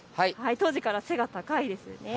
当時から背が高いですね。